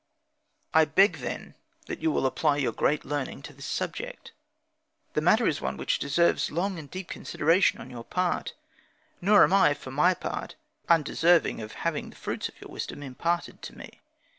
I beg, then, that you will apply your great learning to this subject. The matter is one which deserves long and deep consideration on your part; nor am I, for my part, undeserving of having the fruits of your wisdom imparted to me.